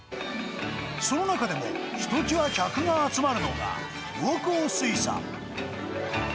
その中でもひときわ客が集まるのが、魚幸水産。